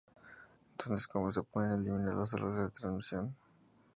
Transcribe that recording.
Entonces, ¿cómo se pueden eliminar los errores de transmisión?